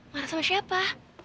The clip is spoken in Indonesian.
marah sama siapa